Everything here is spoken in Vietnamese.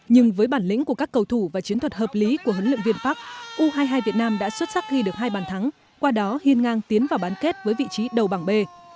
nhưng với bản lĩnh của các cầu thủ và chiến thuật hợp lý của huấn luyện viên park u hai mươi hai việt nam đã xuất sắc ghi được hai bàn thắng qua đó hiên ngang tiến vào bán kết với vị trí đầu bảng b